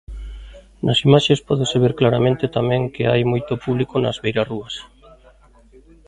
Nas imaxes pódese ver claramente tamén que hai moito público nas beirarrúas.